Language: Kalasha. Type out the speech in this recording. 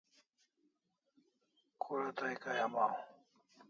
Kura tay kay amaw?